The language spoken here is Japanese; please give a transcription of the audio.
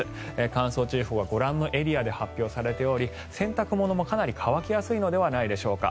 乾燥注意報はご覧のエリアで発表されており洗濯物もかなり乾きやすいのではないでしょうか。